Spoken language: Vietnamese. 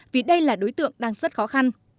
vì đây là đối tượng đang rất khó khăn